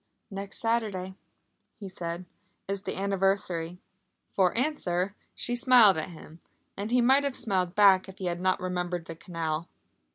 "Next Saturday," he said, "is the anniversary!" For answer she smiled at him, and he might have smiled back if he had not remembered the canal.